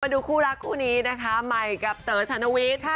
ดูคู่รักคู่นี้นะคะใหม่กับเต๋อชานวิทย์ค่ะ